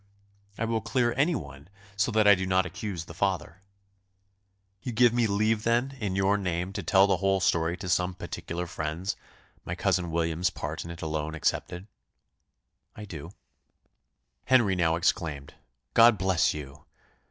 "I will clear any one, so that I do not accuse the father." "You give me leave, then, in your name, to tell the whole story to some particular friends, my cousin William's part in it alone excepted?" "I do." Henry now exclaimed, "God bless you!"